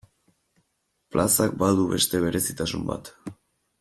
Plazak badu beste berezitasun bat.